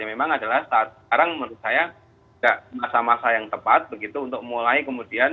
memang adalah saat sekarang menurut saya tidak masa masa yang tepat begitu untuk mulai kemudian